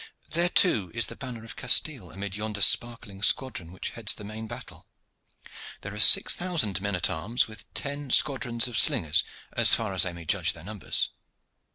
There too is the banner of Castile amid yonder sparkling squadron which heads the main battle. There are six thousand men at arms with ten squadrons of slingers as far as I may judge their numbers."